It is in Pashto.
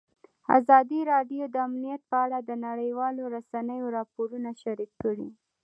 ازادي راډیو د امنیت په اړه د نړیوالو رسنیو راپورونه شریک کړي.